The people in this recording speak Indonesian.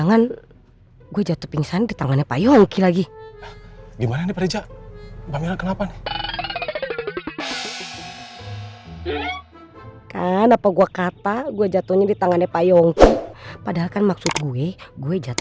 nah kalau ini pasti tangannya pak rija nih yang lagi megang pipi gua anget lembut